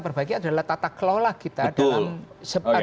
berbagi adalah tata kelola kita